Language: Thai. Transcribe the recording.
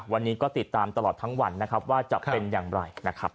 วันนี้ก็ติดตามตลอดทั้งวันว่าจะเป็นอย่างไร